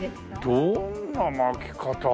どんな巻き方。